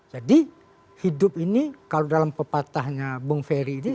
jadi hidup ini kalau dalam pepatahnya bung feri ini